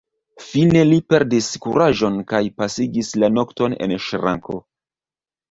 Fine li perdis kuraĝon kaj pasigis la nokton en ŝranko.